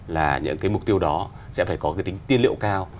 là những mục tiêu đó sẽ phải có tính tiên liệu cao